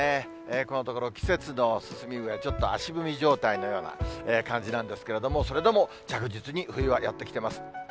このところ季節の進み具合、ちょっと足踏み状態のような感じなんですけれども、それでも着実に冬はやって来ています。